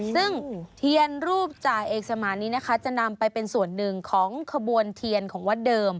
ซึ่งเทียนรูปจ่าเอกสมานนี้นะคะจะนำไปเป็นส่วนหนึ่งของขบวนเทียนของวัดเดิม